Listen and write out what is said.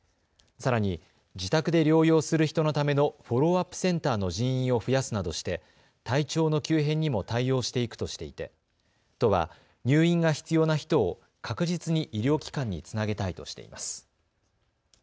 さらに自宅で療養する人のためのフォローアップセンターの人員を増やすなどして体調の急変にも対応していくとしていて都は入院が必要な人を確実に医療機関につなげたいとしています。